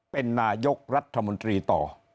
เป็นนายกรัฐมนตรีต่อ